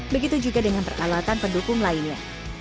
begitu juga dengan peralatan pendukung lainnya